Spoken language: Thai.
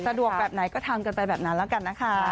สะดวกแบบไหนทำแบบนั้น